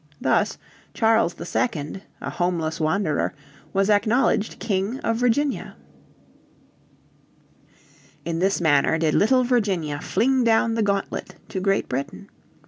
Thus Charles II, a homeless wanderer, was acknowledged King of Virginia. In this manner did little Virginia fling down the gauntlet to Great Britain.